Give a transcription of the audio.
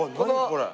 これ。